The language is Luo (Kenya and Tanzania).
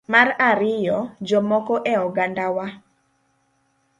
Mar ariyo, jomoko e ogandawa